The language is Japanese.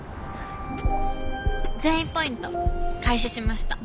善意ポイント開始しました。